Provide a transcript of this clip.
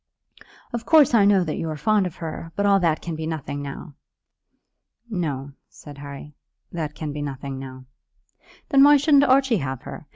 "Of course I know that you were fond of her, but all that can be nothing now." "No," said Harry, "that can be nothing now." "Then why shouldn't Archie have her?